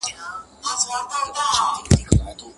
هغه ځان له دې دنيا جلا احساسوي ناڅاپه ډېر ژور،